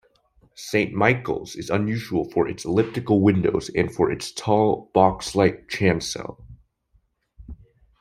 Saint Michael's is unusual for its elliptical windows and for its tall, box-like chancel.